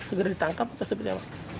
segera ditangkap atau seperti apa